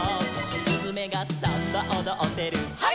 「すずめがサンバおどってる」「ハイ！」